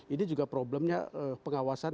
ini juga problemnya pengawasan